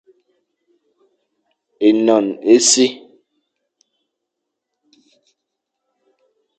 Énoñ e si,